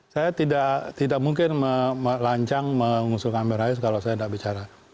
saya tidak mungkin melancang mengusulkan amin rais kalau saya tidak bicara